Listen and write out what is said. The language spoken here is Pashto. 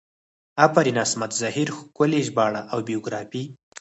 افرین عصمت زهیر ښکلي ژباړه او بیوګرافي